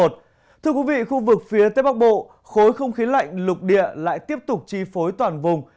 thưa quý vị khu vực phía tây bắc bộ khối không khí lạnh lục địa lại tiếp tục chi phối toàn vùng